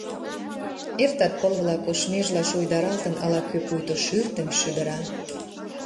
Эртат пыл-влак, ош межла шуйдаралтын, ала-кӧ пуйто шӱртым шӱдыра.